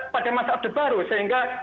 pada masa orde baru sehingga